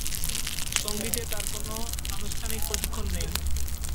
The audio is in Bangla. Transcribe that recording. সঙ্গীতে তার কোন আনুষ্ঠানিক প্রশিক্ষণ নেই।